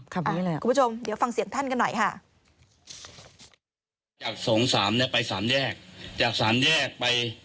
คุณผู้ชมฟังเสียงท่านกันหน่อยฮะ